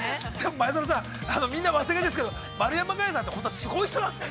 ◆前園さん、みんなお忘れですけど、丸山桂里奈さんって、本当はすごい人なんですよ。